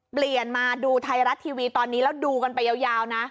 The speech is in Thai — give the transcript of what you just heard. มาดูไทยรัฐทีวีตอนนี้แล้วดูกันไปยาวนะ